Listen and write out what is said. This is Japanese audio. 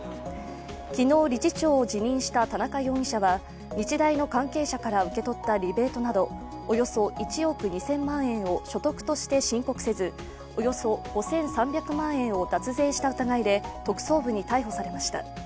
昨日、理事長を辞任した田中容疑者は日大の関係者から受け取ったリベートなどおよそ１億２０００万円を所得として申告せず、およそ５３００万円を脱税した疑いで特捜部に逮捕されました。